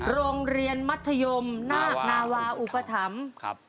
โรงเรียนมัธยมนาคนาวาอุปถัมภ์